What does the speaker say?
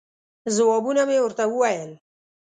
ځوابونه مې ورته وویل.